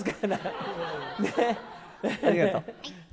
ありがとう。